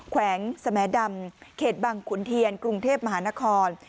แขวงสแมดำเขตบังขุนเทียนกรุงเทพมหานคร